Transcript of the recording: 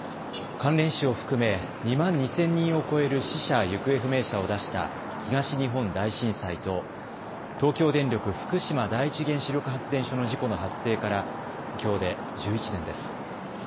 関連死を含め２万２０００人を超える死者・行方不明者を出した東日本大震災と東京電力福島第一原子力発電所の事故の発生からきょうで１１年です。